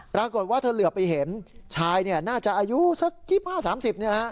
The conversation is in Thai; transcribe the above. ปรากฏว่าเธอเหลือไปเห็นชายน่าจะอายุสัก๒๕๓๐